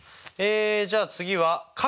じゃあ次は∠